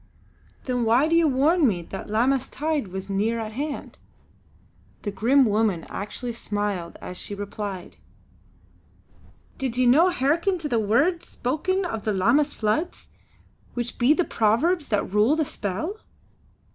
"Then why did you warn me that Lammas tide was near at hand?" The grim woman actually smiled as she replied: "Did ye no hearken to the words spoken of the Lammas floods, which be of the Powers that rule the Spell?"